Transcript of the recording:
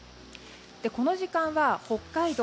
この時間は北海道